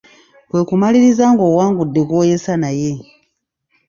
Kwe kumaliriza ng’owangudde gw’oyesa naye.